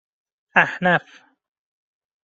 احنف